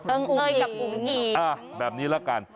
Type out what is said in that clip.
เอิงเอยกับอุ๊งหยีอ่ะแบบนี้ละกัน